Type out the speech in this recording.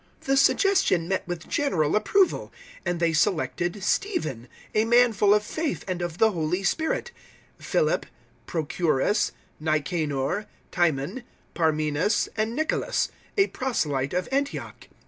006:005 The suggestion met with general approval, and they selected Stephen, a man full of faith and of the Holy Spirit, Philip, Prochorus, Nicanor, Timon, Parmenas, and Nicolas, a proselyte of Antioch.